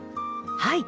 はい。